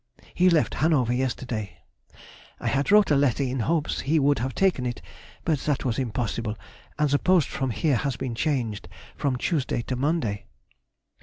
He left Hanover yesterday. I had wrote a letter in hopes he would have taken it, but that was impossible, and the post from here has been changed from Tuesday to Monday.